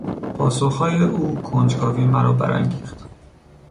پاسخهای او کنجکاوی مرا برانگیخت.